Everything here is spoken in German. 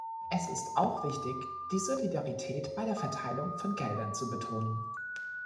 Es ist auch wichtig, die Solidarität bei der Verteilung von Geldern zu betonen.